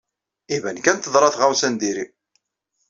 Iban kan teḍra tɣawsa n diri.